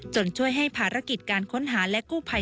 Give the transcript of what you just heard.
ช่วยให้ภารกิจการค้นหาและกู้ภัย